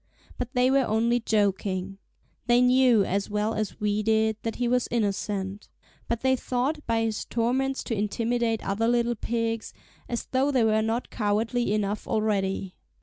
But they were only joking. They knew, as well as we did, that he was innocent. But they thought by his torments to intimidate other little pigs, as though they were not cowardly enough already.